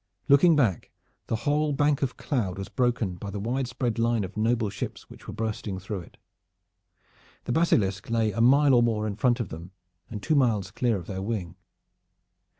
Looking back, the whole bank of cloud was broken by the widespread line of noble ships which were bursting through it. The Basilisk lay a mile or more in front of them and two miles clear of their wing.